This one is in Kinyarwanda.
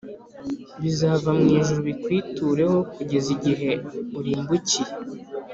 bizava mu ijuru bikwitureho kugeza igihe urimbukiye